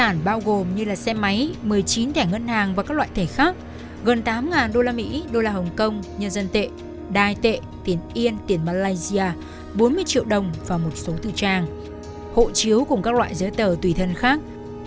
các đơn bao gồm như là xe máy một mươi chín thẻ ngân hàng và các loại thẻ khác gần tám usd đô la hồng kông nhân dân tệ đai tệ tiền yên tiền malaysia bốn mươi triệu đồng và một số tư trang hộ chiếu cùng các loại giấy tờ tùy thân khác